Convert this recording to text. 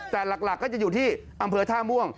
แต่หลักก็จะอยู่ที่อำเภอท่าม่วง